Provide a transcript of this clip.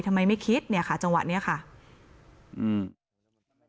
ทำไมไม่คิดเนี่ยค่ะจังหวะเนี้ยค่ะอืม